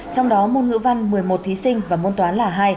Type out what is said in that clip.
trong đó môn ngữ văn một mươi một thí sinh và môn toán là hai